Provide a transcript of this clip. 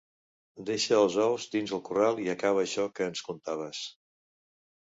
Deixa els ous dins el corral i acaba això que ens contaves.